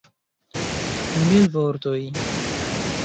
Mil vortoj!